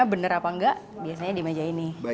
benar apa enggak biasanya di meja ini